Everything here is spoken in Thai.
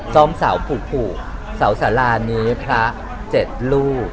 ซ่อมเสาผูกเสาสารานี้พระ๗ลูก